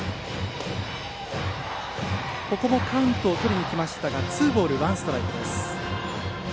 ここもカウントをとりにきましたがツーボール、ワンストライク。